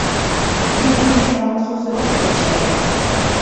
Ӱмыр мучкылан сусыр ок код чай?»